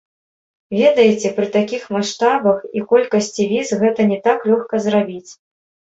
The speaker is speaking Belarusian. Ведаеце, пры такіх маштабах і колькасці віз гэта не так лёгка зрабіць.